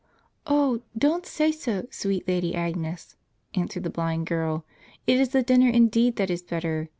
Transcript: "Oh, don't say so, sweet Lady Agnes," answered the blind girl: "it is the dinner indeed that is better.